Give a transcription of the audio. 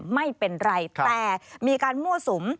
ไม่เป็นไรแต่มีการมั่วสุม